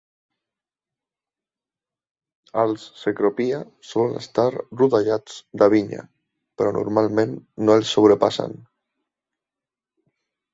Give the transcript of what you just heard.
Els cecropia solen estar rodejats de vinya, però normalment no els sobrepassen.